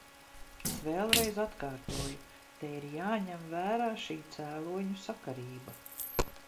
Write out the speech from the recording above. Es vēlreiz atkārtoju: te ir jāņem vērā šī cēloņu sakarība.